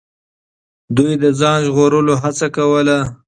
دوی د ځان ژغورلو هڅه کوله.